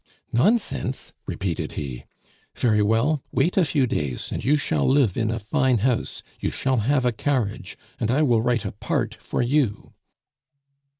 "Nonsense!" repeated he. "Very well, wait a few days, and you shall live in a fine house, you shall have a carriage, and I will write a part for you!"